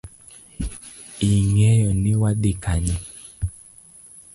Ing’eyoni wadhi Kanye?